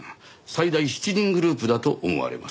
最大７人グループだと思われます。